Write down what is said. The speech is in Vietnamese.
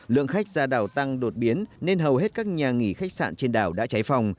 lượng khách ra đảo tăng đột biến nên hầu hết các nhà nghỉ khách sạn trên đảo đã cháy phòng